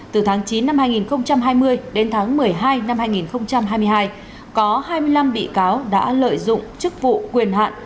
từ tháng chín năm hai nghìn hai mươi đến tháng một mươi hai năm hai nghìn hai mươi hai có hai mươi năm bị cáo đã lợi dụng chức vụ quyền hạn